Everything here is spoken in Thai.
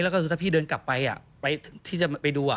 แล้วก็คือถ้าพี่เดินกลับไปที่จะไปดู